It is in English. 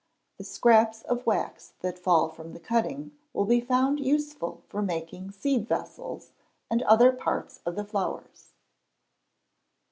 The scraps of wax that fall from the cutting will be found useful for making seed vessels, and other parts of the flowers.